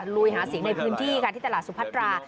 ลุยหาเสียงในพื้นที่ค่ะที่ตลาดสุพัตรา